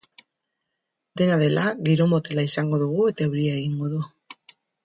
Dena dela, giro motela izango dugu eta euria egingo du.